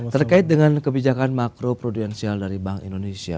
terkait dengan kebijakan makroprudensial dari bank indonesia